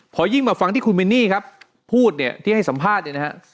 พอยิ่งมาฟังที่คุณมินนี่ครับพูดเนี่ยที่ให้สัมภาษณ์เนี่ยนะฮะ